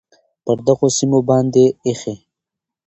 پر دغو سیمو باندې ایښی،